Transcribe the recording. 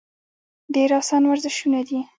ډېر اسان ورزشونه دي -